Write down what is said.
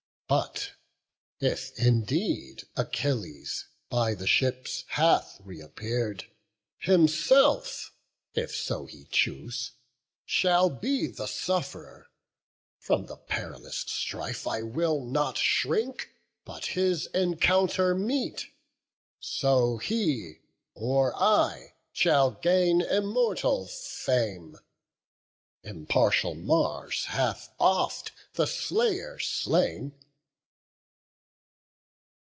But if indeed Achilles by the ships Hath reappear'd, himself, if so he choose, Shall be the suff'rer; from the perilous strife I will not shrink, but his encounter meet: So he, or I, shall gain immortal fame; Impartial Mars hath oft the slayer slain."